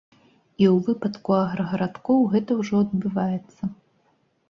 І ў выпадку аграгарадкоў гэта ўжо адбываецца.